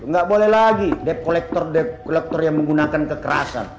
nggak boleh lagi dep kolektor dep kolektor yang menggunakan kekerasan